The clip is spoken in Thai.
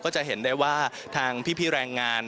จะเห็นได้ว่าทางพี่แรงงาน